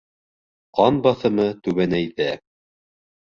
— Ҡан баҫымы түбәнәйҙе...